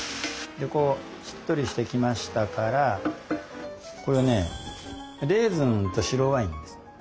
でこうしっとりしてきましたからこれねレーズンと白ワインです。